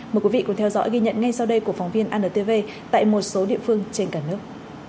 mời quý vị cùng theo dõi ghi nhận ngay sau đây của phóng viên antv tại một số địa phương trên cả nước